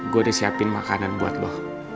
gue udah siapin makanan buat lo